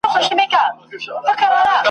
د شګو بند اوبه وړي ..